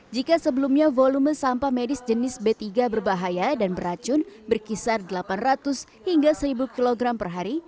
jika sebelumnya volume sampah medis jenis b tiga berbahaya dan beracun berkisar delapan ratus hingga seribu kg per hari